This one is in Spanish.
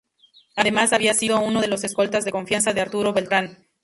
Además había sido uno de los escoltas de confianza de Arturo Beltrán.